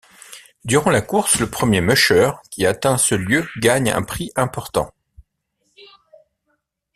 Durant la course, le premier musher qui atteint ce lieu gagne un prix important.